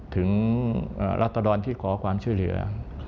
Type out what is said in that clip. ถึงรัฐธรรมที่ขอความช่วยเหลือ